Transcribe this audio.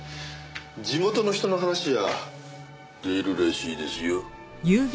地元の人の話じゃ出るらしいですよ。